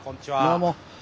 どうも。